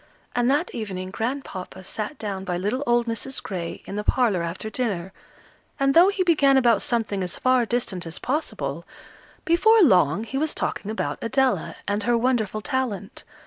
And that evening Grandpapa sat down by little old Mrs. Gray in the parlour after dinner, and though he began about something as far distant as possible, before long he was talking about Adela, and her wonderful talent.